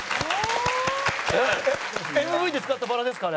ＭＶで使ったバラですか？